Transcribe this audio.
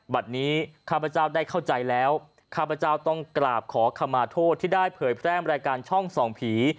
บัตรนี้ข้าพเจ้าได้เข้าใจแล้วข้าพเจ้าต้องกราบขอขมาโทษที่ได้เผยแพร่รายการช่องส่องผี